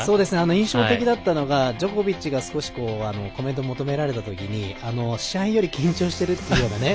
印象的だったのがジョコビッチが少しコメント求められたとき試合より緊張してるっていうようなね